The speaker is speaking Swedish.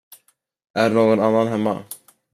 Är någon annan hemma?